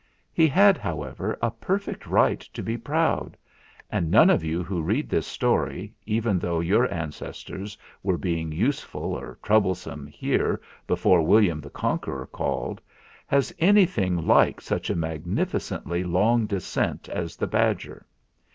He had, however, a perfect right to be proud; and none of you who read this story, even though your ancestors were being useful or troublesome here before William the Con queror called, has anything like such a magnifi cently long descent as the badger.